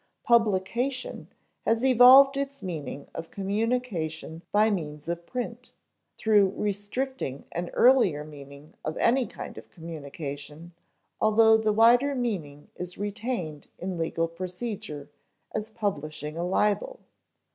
Publication has evolved its meaning of communication by means of print, through restricting an earlier meaning of any kind of communication although the wider meaning is retained in legal procedure, as publishing a libel.